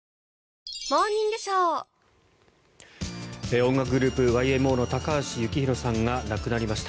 音楽グループ、ＹＭＯの高橋幸宏さんが亡くなりました。